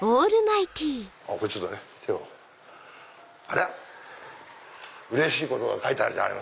あらうれしいことが書いてある。